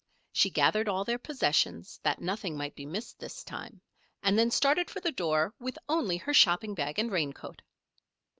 She gathered all their possessions, that nothing might be missed this time, and then started for the door with only her shopping bag and raincoat.